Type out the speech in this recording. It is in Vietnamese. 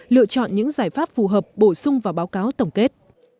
lựa chọn những giải pháp phù hợp bổ sung vào báo cáo tổng kết